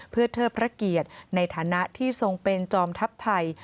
เพื่อเทิดพระเกียรติในฐานะที่ทรงเป็นจอมทัพไทย